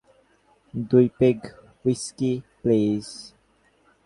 দুই peg whisky, please.